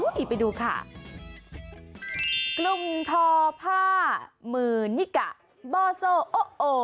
ไปดูค่ะกลุ่มทอผ้ามือนิกะบอโซโอโอ